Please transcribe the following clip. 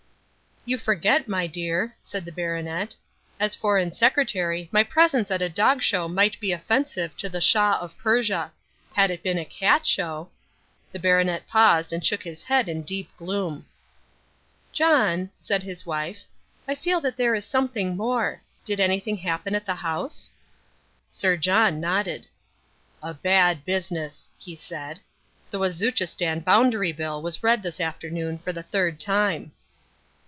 "You forget, my dear," said the baronet, "as Foreign Secretary my presence at a Dog Show might be offensive to the Shah of Persia. Had it been a Cat Show " The baronet paused and shook his head in deep gloom. "John," said his wife, "I feel that there is something more. Did anything happen at the House?" Sir John nodded. "A bad business," he said. "The Wazuchistan Boundary Bill was read this afternoon for the third time."